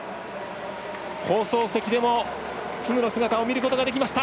放送席でもフグの姿を見ることができました！